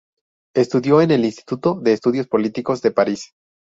Estudió en el Instituto de Estudios Políticos de París.